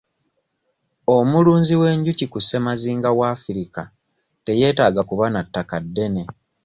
Omulunzi w'enjuki ku ssemazinga w'Africa teyeetaaga kuba na ttaka ddene.